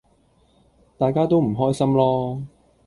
大家都唔開心囉!